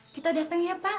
kita datang ya pak